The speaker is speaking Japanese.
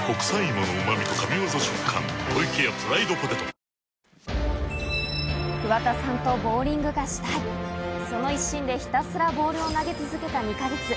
ＮＯ．１桑田さんとボウリングがしたい、その一心でひたすらボールを投げ続けた２か月。